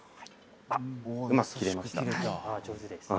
うまく切れました。